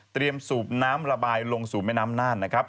เตรียมสูบน้ำระบายลงสู่เมืองน้ำนานนะครับ